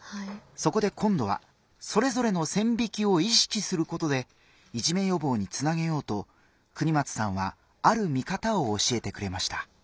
そこで今度はそれぞれの線引きを意識することでいじめ予防につなげようと國松さんはある見方を教えてくれました。